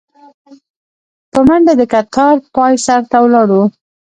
په منډه د کتار پاى سر ته ولاړو.